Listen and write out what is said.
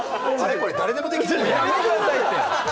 これ、誰でもできるな。